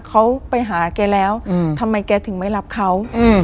เขาไปหาแกแล้วทำไมแกถึงไม่รับเขา